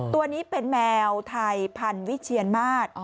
ตัวนี้เป็นแมวไทยพันวิเชียนมาส